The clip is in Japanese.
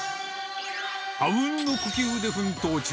あうんの呼吸で奮闘中！